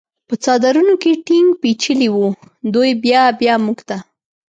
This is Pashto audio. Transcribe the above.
په څادرونو کې ټینګ پېچلي و، دوی بیا بیا موږ ته.